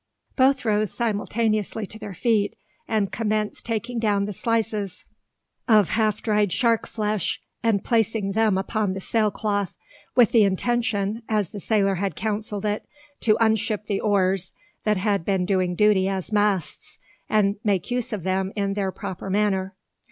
Both rose simultaneously to their feet, and commenced taking down the slices of half dried shark flesh, and placing them upon the sail cloth, with the intention, as the sailor had counselled it, to unship the oars that had been doing duty as masts, and make use of them in their proper manner.